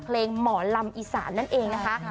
เพลงหมอลำอีสานนั่นเองนะคะ